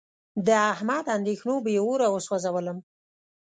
د احمد اندېښنو بې اوره و سوزولم.